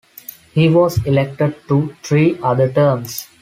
He was elected to three other terms.